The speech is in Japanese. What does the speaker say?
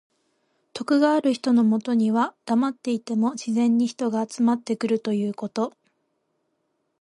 徳がある人のもとにはだまっていても自然に人が集まってくるということ。